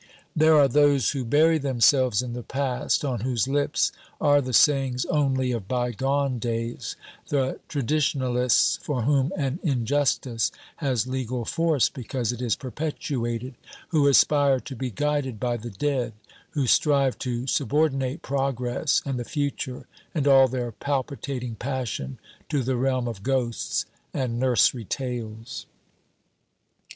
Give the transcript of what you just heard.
There are those who bury themselves in the past, on whose lips are the sayings only of bygone days, the traditionalists for whom an injustice has legal force because it is perpetuated, who aspire to be guided by the dead, who strive to subordinate progress and the future and all their palpitating passion to the realm of ghosts and nursery tales.